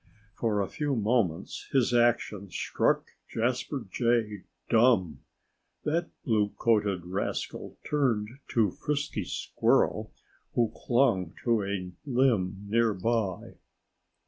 For a few moments his action struck Jasper Jay dumb. That blue coated rascal turned to Frisky Squirrel, who clung to a limb near by.